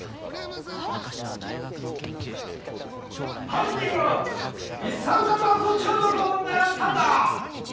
犯人は一酸化炭素中毒を狙ったんだ！